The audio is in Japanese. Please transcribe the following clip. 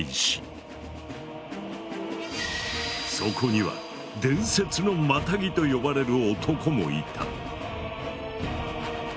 そこには「伝説のマタギ」と呼ばれる男もいた。